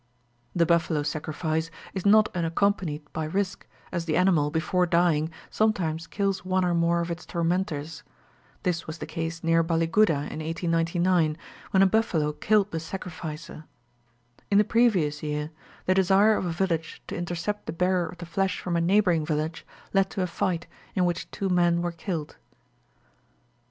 The buffalo sacrifice is not unaccompanied by risk, as the animal, before dying, sometimes kills one or more of its tormentors. This was the case near Balliguda in 1899, when a buffalo killed the sacrificer. In the previous year, the desire of a village to intercept the bearer of the flesh from a neighbouring village led to a fight, in which two men were killed.